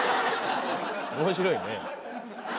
面白いね。